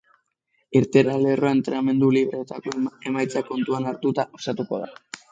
Irteera lerroa entrenamendu libreetako emaitzak kontutan hartuta osatuko da.